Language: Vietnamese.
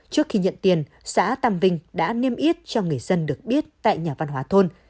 trước khi nhận tiền xã tàm vinh đã niêm yết cho người dân được biết tại nhà văn hóa thôn